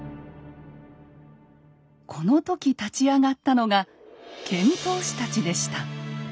この時立ち上がったのが遣唐使たちでした。